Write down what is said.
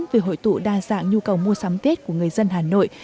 về hội tụ đa dạng nhu cầu mua sắm tết của người dân hà nội